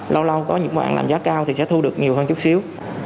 lâu lâu có những mạng làm giá cao thì sẽ thu được nhiều hơn chút xíu